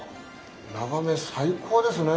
眺め最高ですね。